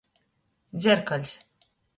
Dzerkaļs.